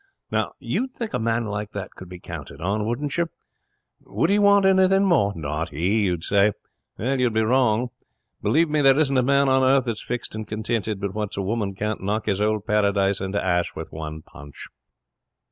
'Now you'd think a man like that could be counted on, wouldn't you? Would he want anything more? Not he, you'd say. You'd be wrong. Believe me, there isn't a man on earth that's fixed and contented but what a woman can't knock his old Paradise into 'ash with one punch.